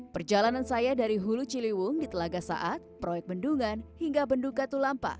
perjalanan saya dari hulu ciliwung di telaga saat proyek bendungan hingga bendung katulampa